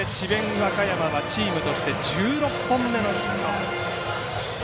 和歌山はチームとして１６本目のヒット。